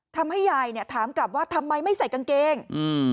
ทำให้ยายเนี้ยถามกลับว่าทำไมไม่ใส่กางเกงอืม